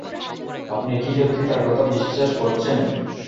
আপনি কি সত্যিই তার কথা বিশ্বাস করছেন?